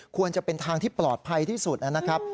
ควรจะเป็นทางที่ปลอดภัยที่สุดนะครับ